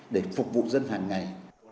để phục vụ dân hàng ngày